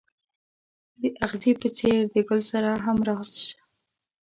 د اغزي په څېر د ګل سره همراز شه.